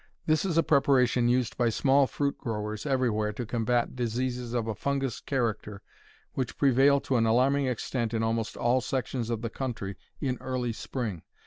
This is a preparation used by small fruit growers everywhere to combat diseases of a fungous character which prevail to an alarming extent in almost all sections of the country in early spring.